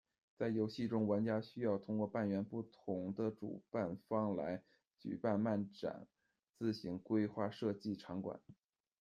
在游戏中，玩家需要通过扮演不同的主办方来举办漫展，自行规划设计场馆。